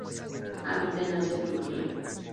Habita en Asia, Turquía.